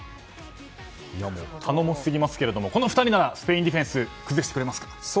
頼もしすぎますけれどもこの２人ならスペインディフェンスを崩してくれますか？